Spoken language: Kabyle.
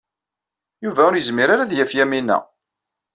Yuba ur yezmir ara ad yaf Yamina.